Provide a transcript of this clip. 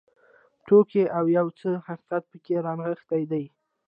ټوکې او یو څه حقیقت پکې رانغښتی دی.